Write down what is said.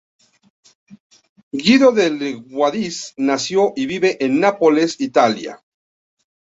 Guido del Giudice nació y vive en Nápoles, Italia.